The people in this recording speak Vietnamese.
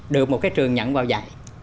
được một cái trường nhận vào dạy